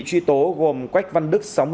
truy tố gồm quách văn đức